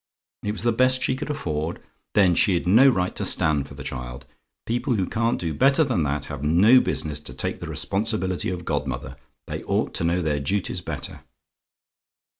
"IT WAS THE BEST SHE COULD AFFORD? "Then she'd no right to stand for the child. People who can't do better than that have no business to take the responsibility of godmother. They ought to know their duties better.